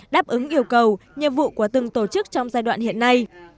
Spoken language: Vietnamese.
đáp ứng yêu cầu nhiệm vụ của từng tổ chức trong giai đoạn hiện nay